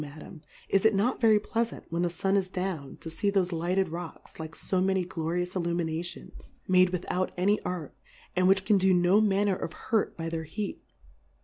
Madam, is it not ve ry Pleafant, when the Sun is down, to fee thofe lighted Rocks, like fo many glorious Illuminations, made without any Art, and which can do no manner of Hurt by their Heat